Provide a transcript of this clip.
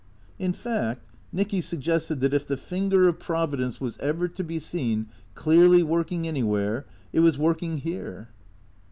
In fact, Nicky suggested that if the finger of Providence was ever to be seen clearly working anywhere, it was working here.